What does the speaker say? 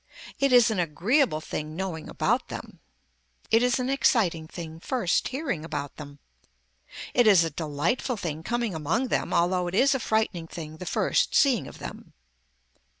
It is an agreeable thing knowing about them. It is an exciting thing first hearing about them. It is a delightful thing coming among them although it is a frightening thing the first seeing of them.